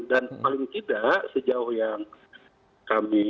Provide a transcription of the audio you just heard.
dan paling tidak sejauh yang kami